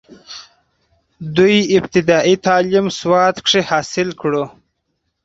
دوي ابتدائي تعليم سوات کښې حاصل کړو،